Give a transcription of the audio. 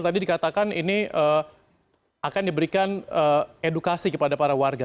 tadi dikatakan ini akan diberikan edukasi kepada para warga